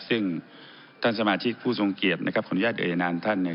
ซึ่งท่านสมาชิกผู้ทรงเกียรตินะครับขออนุญาตเอนานท่านเนี่ย